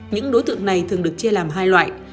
những đối tượng này thường được chia làm hai loại